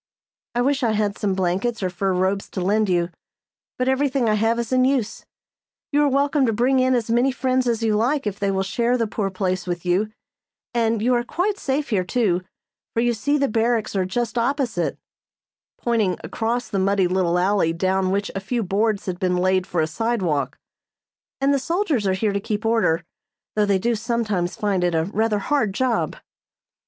"I wish I had some blankets or fur robes to lend you, but everything I have is in use. You are welcome to bring in as many friends as you like if they will share the poor place with you; and you are quite safe here, too, for you see the barracks are just opposite," pointing across the muddy little alley down which a few boards had been laid for a sidewalk; "and the soldiers are here to keep order, though they do sometimes find it rather a hard job."